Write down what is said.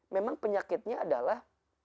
memang penyakitnya adalah